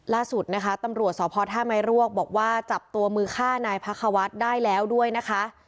ล่าสุดนะคะตำรวจสพท่าไม้รวกบอกว่าจับตัวมือฆ่านายพระควัฒน์ได้แล้วด้วยนะคะ